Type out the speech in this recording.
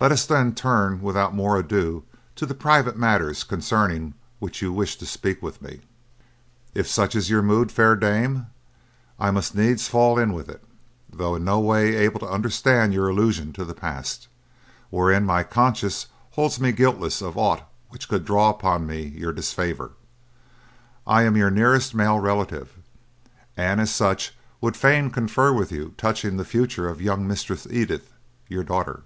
Let us then turn without more ado to the private matters concerning which you wished to speak with me." "If such is your mood, fair dame, I must needs fall in with it, though in no way able to understand your allusion to the past, wherein my conscience holds me guiltless of aught which could draw upon me your disfavour. I am your nearest male relative, and as such would fain confer with you touching the future of young Mistress Edith, your daughter.